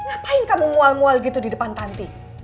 apa yang kamu mual mual gitu di depan tanti